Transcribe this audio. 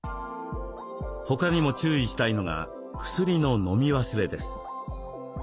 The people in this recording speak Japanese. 他にも注意したいのが薬の飲み忘れです。